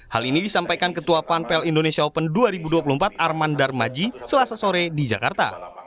hal ini disampaikan ketua panpel indonesia open dua ribu dua puluh empat arman darmaji selasa sore di jakarta